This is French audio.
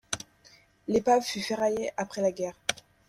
L'épave fut ferraillé après la guerre.